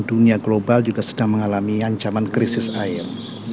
dunia global juga sedang mengalami ancaman krisis air